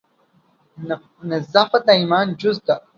نظافت د ایمان جز ده